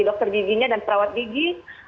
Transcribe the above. dokter giginya dan perawat gigi